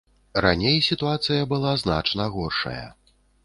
Раней сітуацыя была значна горшая.